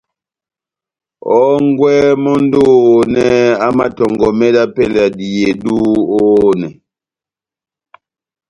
Hɔ́ngwɛ mɔndi ohonɛ amatɔngɔmɛ dá pɛlɛ ya dihedu ohonɛ.